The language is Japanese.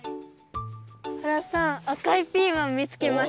原さんあかいピーマンみつけました。